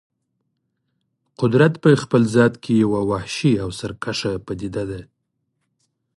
قدرت په خپل ذات کې یوه وحشي او سرکشه پدیده ده.